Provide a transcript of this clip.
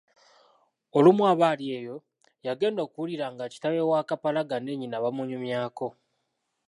Olumu aba ali eyo yagenda okuwulira nga kitaawe wa Kapalaga ne nnyina bamunyumyako.